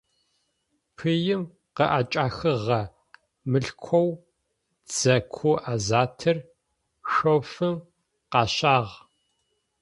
Пыим къыӏэкӏахыгъэ мылъкоу дзэ ку азатыр шъофым къащагъ.